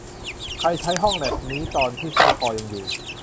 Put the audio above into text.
ใครใช้ห้องแล็ปนี้ตอนที่สร้อยคอยังอยู่